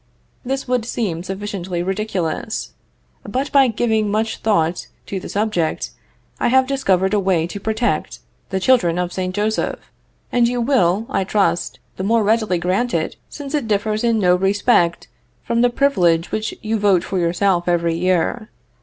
This would seem sufficiently ridiculous, but by giving much thought to the subject, I have discovered a way to protect the children of St. Joseph, and you will, I trust, the more readily grant it since it differs in no respect from the privilege which you vote for yourself every year.